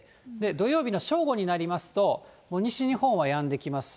土曜日の正午になりますと、もう西日本はやんできます。